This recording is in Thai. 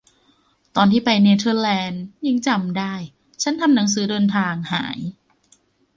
ตอนที่ไปเนเธอร์แลนด์ ยังจำได้ ฉันทำหนังสือเดินทางหาย